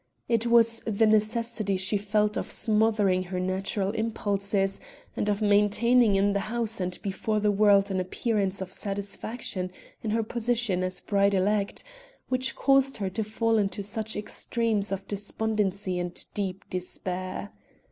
It was the necessity she felt of smothering her natural impulses, and of maintaining in the house and before the world an appearance of satisfaction in her position as bride elect, which caused her to fall into such extremes of despondency and deep despair.